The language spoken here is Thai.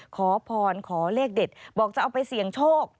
ขอพรขอเลขเด็ดบอกจะเอาไปเสี่ยงโชค